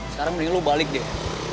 sekarang mendingan lu balik deh